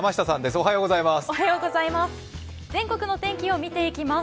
おはようございます。